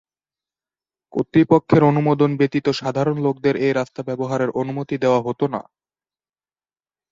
কর্তৃপক্ষের অনুমোদন ব্যতীত সাধারণ লোকদেরকে এ রাস্তা ব্যবহারের অনুমতি দেয়া হতো না।